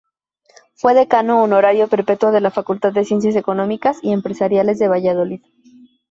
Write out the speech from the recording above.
Fue decano honorario perpetuo de la Facultad de Ciencias Económicas y Empresariales de Valladolid.